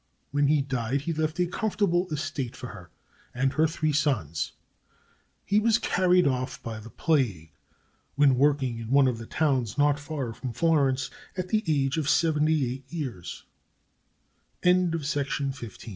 When he died he left a comfortable estate for her and her three sons. He was carried off by the plague when working in one of the towns not far from Florence, at the age of seventy